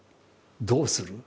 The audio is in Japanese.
どうする？